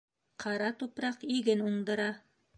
Ҡара тупраҡ иген уңдыра.